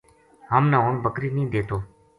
ہم نا ہن بکری نیہہ دیتو